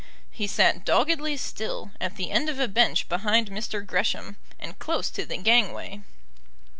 He sat doggedly still, at the end of a bench behind Mr. Gresham, and close to the gangway.